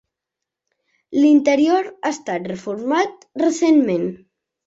L'interior ha estat reformat recentment.